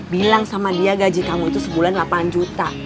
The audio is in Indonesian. bilang sama dia gaji kamu itu sebulan delapan juta